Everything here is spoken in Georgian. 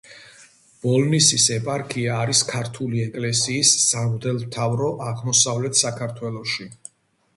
ბოლნისის ეპარქია არის ქართული ეკლესიის სამღვდელმთავრო აღმოსავლეთ საქართველოში.